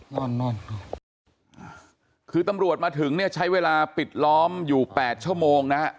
นอนนอนคือตำรวจมาถึงเนี่ยใช้เวลาปิดล้อมอยู่แปดชั่วโมงนะฮะ